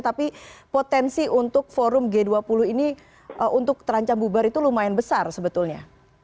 tapi potensi untuk forum g dua puluh ini untuk terancam bubar itu lumayan besar sebetulnya